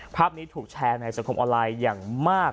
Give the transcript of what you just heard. ภาพนี้ถูกแชร์ในสังคมออนไลน์อย่างมาก